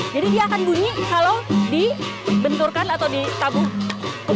jadi dia akan bunyi kalau dibenturkan atau ditabungkan